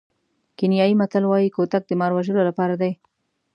کینیايي متل وایي کوتک د مار وژلو لپاره دی.